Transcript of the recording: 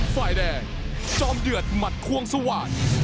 ไฟแดงจอมเดือดหมัดควงสวาส